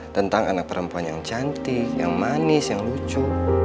tentang anak perempuan yang cantik yang manis yang lucu